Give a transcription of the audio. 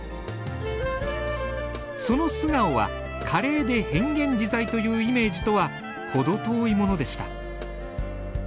その素顔は華麗で変幻自在というイメージとは程遠いものでした。